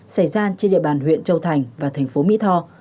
xảy ra trên địa bàn huyện châu thành và thành phố mỹ tho